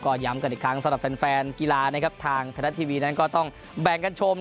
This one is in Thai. ย้ำกันอีกครั้งสำหรับแฟนกีฬานะครับทางไทยรัฐทีวีนั้นก็ต้องแบ่งกันชม